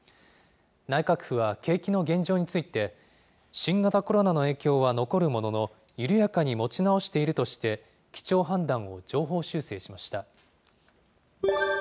内閣府は景気の現状について、新型コロナの影響は残るものの、緩やかに持ち直しているとして、基調判断を上方修正しました。